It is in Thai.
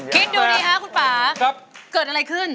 คิดดูดีฮะคุณป่าเกิดอะไรขึ้น